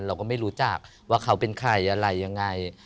เราก็ไม่รู้จักว่าเขาเป็นใครอะไรยังไง